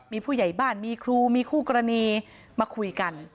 มีผู้ใหญ่บ้านมีครูมีคู่กรณีมาคุยกัน